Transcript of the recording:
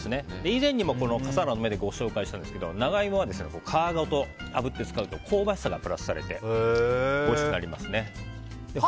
以前にも笠原の眼でご紹介したんですが長イモは皮ごとあぶって使うと香ばしさがプラスされておいしくなりますね。